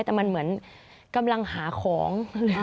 แต่มันเหมือนกำลังหาของ